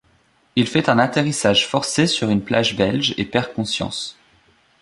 Il fait un atterrissage forcé sur une plage belge et perd conscience.